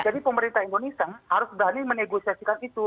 jadi pemerintah indonesia harus berani menegosiasikan itu